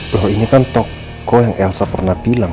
bro ini kan toko yang elsa pernah bilang